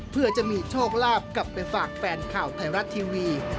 เพื่อจะมีโชคลาภกลับไปฝากแฟนข่าวไทยรัฐทีวี